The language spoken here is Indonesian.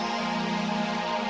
yaudah ya berangkat ya